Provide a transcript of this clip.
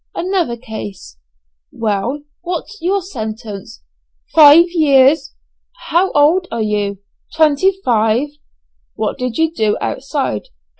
Another case "Well, what's your sentence?" "Five years." "How old are you?" "Twenty five." "What did you do outside?"